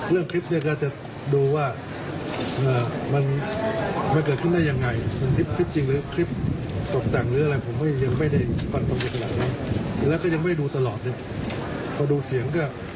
และก็ข้อมูลที่ว่าท่านนายกสั่งก็ไม่จริง